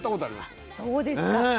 あそうですか。